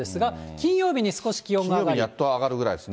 金曜日にやっと上がるぐらいですね。